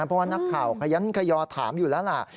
เพราะว่านักข่าวขยันขยอถามอยู่แล้วล่ะ